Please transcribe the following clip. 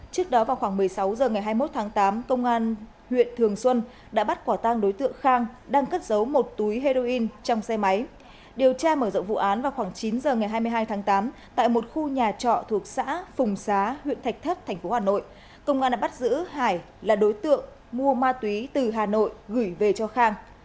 công an đã bắt giữ hải là đối tượng mua ma túy từ hà nội gửi về cho khang